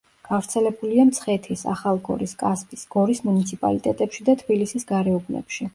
გავრცელებულია მცხეთის, ახალგორის, კასპის, გორის მუნიციპალიტეტებში და თბილისის გარეუბნებში.